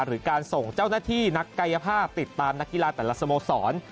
หรือการส่งเจ้าหน้าที่นักกายภาพติดตามนักกีฬาแต่ละสโมสร